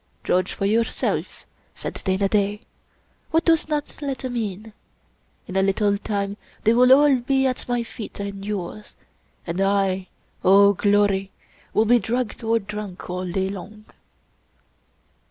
" Judge for yourself," said Dana Da. " What does that letter mean? In a little time they will all be at my feet and yours, and I, oh, glory 1 will be drugged or drunk all day long."